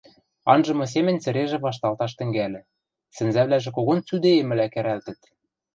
Анжымы семӹнь цӹрежӹ вашталташ тӹнгӓльӹ, сӹнзӓвлӓжӹ когон цӱдейӹмӹлӓ кӓрӓлтӹт.